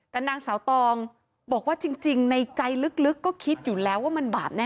แต่นางสาวตองบอกว่าจริงในใจลึกก็คิดอยู่แล้วว่ามันบาปแน่